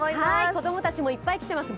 子供たちもいっぱい来てます